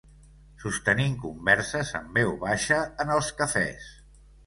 Sostenint converses en veu baixa en els cafès